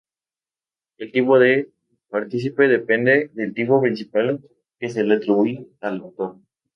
El tipo del partícipe depende del tipo principal que se le atribuye al autor.